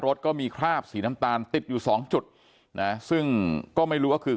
รถก็มีคราบสีน้ำตาลติดอยู่สองจุดนะซึ่งก็ไม่รู้ว่าคือ